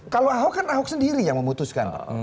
kalau ahok kan ahok sendiri yang memutuskan